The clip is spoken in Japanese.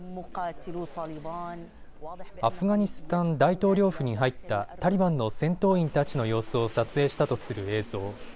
アフガニスタン大統領府に入ったタリバンの戦闘員たちの様子を撮影したとする映像。